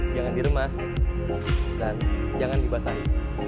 jangan diremas dan jangan dibasahi